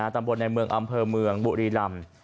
ตำบลในเมืองอำเภอเมืองบุรีรำ